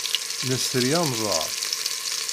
Nesri anẓar.